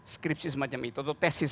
skripsi semacam itu atau tesis